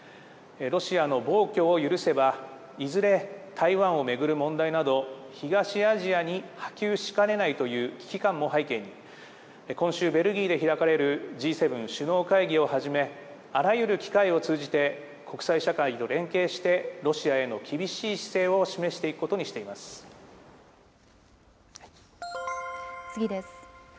ロシアの暴挙を許せば、いずれ台湾を巡る問題など、東アジアに波及しかねないという危機感も背景に、今週、ベルギーで開かれるＧ７首脳会議をはじめ、あらゆる機会を通じて、国際社会と連携して、ロシアへの厳しい姿勢を示していくことにし次です。